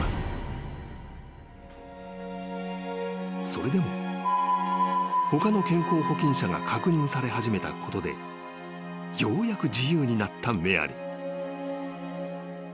［それでも他の健康保菌者が確認され始めたことでようやく自由になったメアリー］